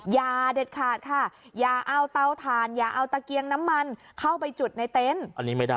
อย่าเด็ดขาดค่ะอย่าเอาเตาทานอย่าเอาตะเกียงน้ำมันเข้าไปจุดในเต็นต์